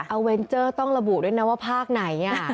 เอาเวนเจอร์ต้องระบุด้วยนะว่าภาคไหน